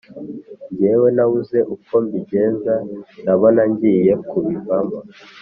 ngewe nabuze uko mbigenza ndabona ngiye kubivamo